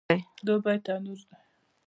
دوبی تنور دی